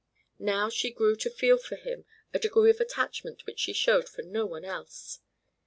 Now she grew to feel for him a degree of attachment which she showed for no one else.